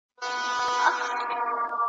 غړومبېدلی به آسمان وي ,